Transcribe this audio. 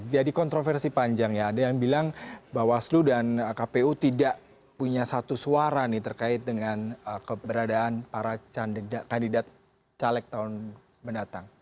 jadi kontroversi panjang ya ada yang bilang bawaslu dan kpu tidak punya satu suara terkait dengan keberadaan para kandidat caleg tahun mendatang